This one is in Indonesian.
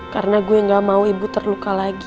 karena gue gak mau ibu terluka lagi